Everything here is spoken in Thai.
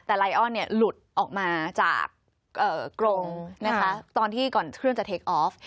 แต่ไลออนหลุดออกมาจากกรงนะคะตอนที่ก่อนเครื่องจะเทคออฟ